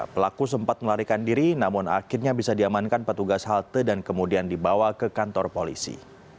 pelaku sempat melarikan diri namun akhirnya bisa diamankan petugas halte dan kemudian dibawa ke kantor polisi